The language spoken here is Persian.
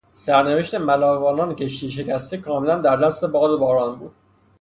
سرنوشت ملوانان کشتی شکسته کاملا در دست باد و باران بود.